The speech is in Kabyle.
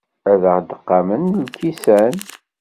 Ad aɣ-d-qamen lkisan?